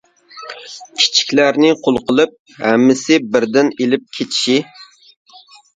كىچىكلەرنى قۇل قىلىپ، ھەممىسى بىردىن ئېلىپ كېتىشتى.